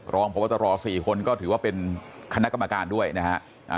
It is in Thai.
รองพบตร๔คนก็ถือว่าเป็นคณะกรรมการด้วยนะฮะ